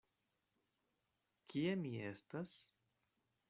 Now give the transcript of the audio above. Kie mi estas?